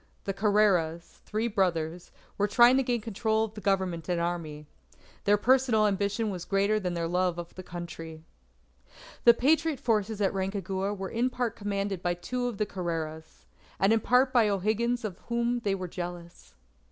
The Carreras three brothers were trying to gain control of the Government and Army. Their personal ambition was greater than their love of Country. The Patriot forces at Rancagua were in part commanded by two of the Carreras, and in part by O'Higgins of whom they were jealous.